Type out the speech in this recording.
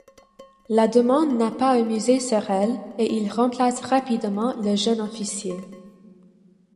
La demande n'a pas amusé Serrell, et il remplace rapidement le jeune officier.